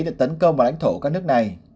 để tấn công vào lãnh thổ các nước này